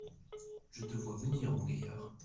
Je te vois venir, mon gaillard.